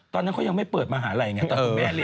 ตอนนั้นเขายังไม่เปิดมหาวิทยาลัยอย่างนี้